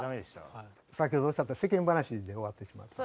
先ほどおっしゃった世間話で終わってしまって。